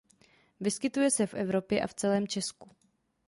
Vyskytuje se v Evropě a v celém Česku.